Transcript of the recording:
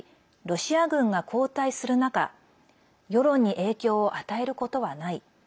ロシア軍が後退する中世論に影響を与えることはない。